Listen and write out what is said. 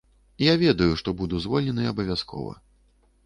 Я ведаю, што буду звольнены абавязкова.